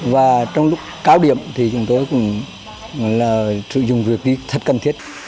và trong lúc cao điểm thì chúng tôi cũng sử dụng việc đi thật cần thiết